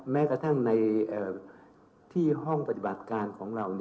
แม้กระทั่งในที่ห้องปฏิบัติการของเรา